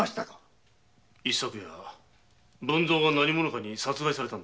一昨夜文造が何者かに殺害されたのだ。